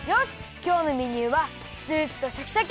きょうのメニューはツルっとシャキシャキ！